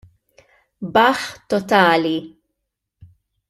Baħħ totali!